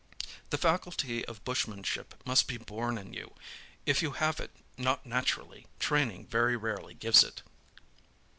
The faculty of bushmanship must be born in you; if you have it not naturally, training very rarely gives it.